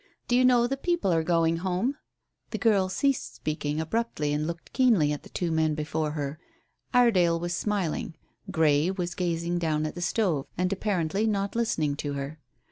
Do you know the people are going home?" The girl ceased speaking abruptly and looked keenly at the two men before her. Iredale was smiling; Grey was gazing down at the stove, and apparently not listening to her.